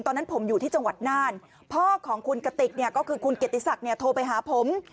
ตอนนั้นผมอยู่ที่จังหวัดน่านพ่อของคุณกติกเนี่ยก็คือคุณเกียรติศักดิ์โทรไปหาผม